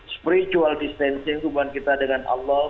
spiritual distancing hubungan kita dengan allah